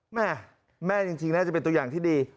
แม่แม่จริงน่าจะเป็นตัวอย่างที่ดี